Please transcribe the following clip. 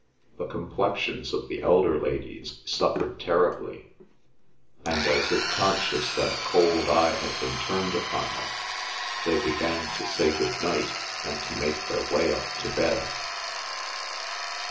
The complexions of the elder ladies suffered terribly, and, as if conscious that a cold eye had been turned upon them, they began to say good night and to make their way up to bed.